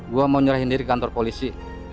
gua mau nyerahkan diri ke kantor polisi